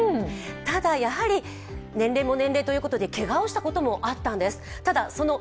ただ、年齢も年齢ということで、けがをしたこともあったんだそうです。